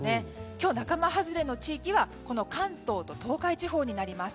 今日、仲間外れの地域は関東と東海地方です。